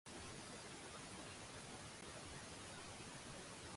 大概佔本地生產總值百分之二